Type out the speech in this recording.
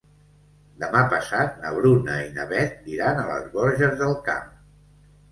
Demà passat na Bruna i na Beth iran a les Borges del Camp.